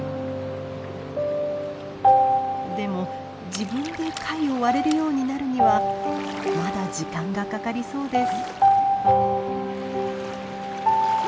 でも自分で貝を割れるようになるにはまだ時間がかかりそうです。